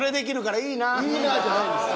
「いいな」じゃないですよ。